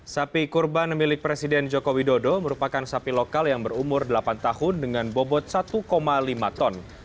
sapi kurban milik presiden joko widodo merupakan sapi lokal yang berumur delapan tahun dengan bobot satu lima ton